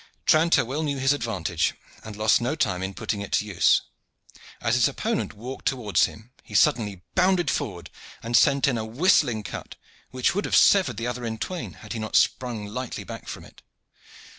Tranter well knew his advantage and lost no time in putting it to use. As his opponent walked towards him he suddenly bounded forward and sent in a whistling cut which would have severed the other in twain had he not sprung lightly back from it.